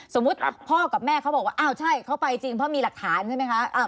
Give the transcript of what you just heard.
สมมติพ่อกับแม่เขาว่าเอ้าใช่ท่านก็ไปจริงพะมีหลักฐานใช่มั้ยทำได้ค่ะ